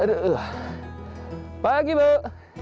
aduh pagi bu